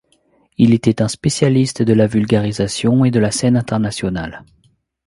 Il était un spécialiste de la vulgarisation et de la scène internationale.